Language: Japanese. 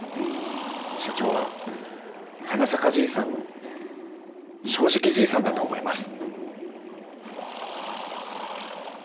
社長ははなさかじいさんの正直じいさんだと思います。